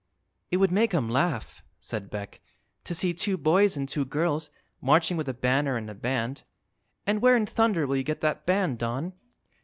"It would make 'em laugh," said Beck, "to see two boys and two girls marching with a banner and a band. And where in thunder will you get that band, Don?"